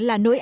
là nổi bật